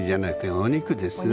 お肉ですね。